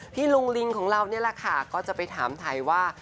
ลุงลิงของเรานี่แหละค่ะก็จะไปถามไทยว่า